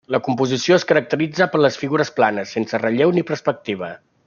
La composició es caracteritza per les figures planes, sense relleu ni perspectiva.